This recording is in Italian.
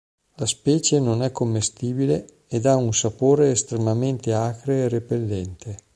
La specie non è commestibile ed ha un sapore estremamente acre e repellente.